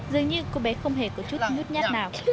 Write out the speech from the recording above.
dường như cô bé không hề có chút nhút nhát nào